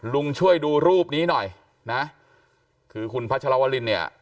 ช่วยดูรูปนี้หน่อยนะคือคุณพัชรวรินเนี่ย